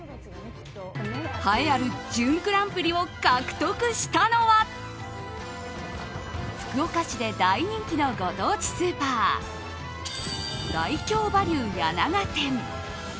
栄えある準グランプリを獲得したのは福岡市で大人気のご当地スーパーダイキョーバリュー弥永店。